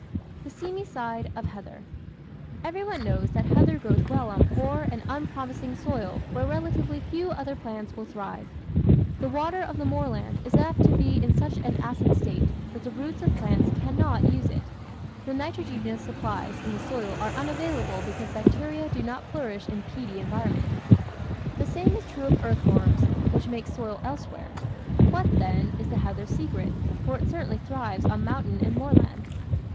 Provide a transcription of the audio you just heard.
The Seamy Side of Heather Everyone knows that heather grows well on poor and un promising soil where relatively few other plants will thrive. The water of the moorland is apt to be in such an acid state that the roots of plants cannot use it. The nitrogenous supplies in the soil are unavailable because bacteria do not flourish in peaty environ ment. The same is true of earthworms, which make soil elsewhere. What, then, is the heather's secret, for it certainly thrives on mountain and moorland?